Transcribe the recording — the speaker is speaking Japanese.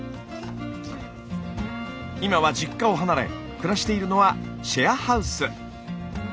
今は実家を離れ暮らしているのはシェアハウス。